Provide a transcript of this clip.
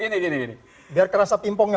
gini gini gini biar kerasa timpongnya